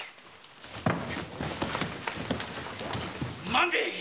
万兵衛！